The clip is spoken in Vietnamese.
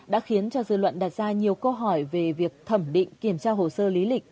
đã khiến cho dư luận đặt ra nhiều câu hỏi về việc thẩm định kiểm tra hồ sơ lý lịch